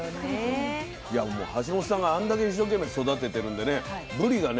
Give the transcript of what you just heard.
橋本さんがあんだけ一生懸命育ててるんでねぶりがね